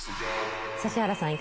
指原さん